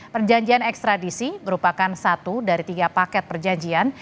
perjanjian ekstradisi merupakan satu dari tiga paket perjanjian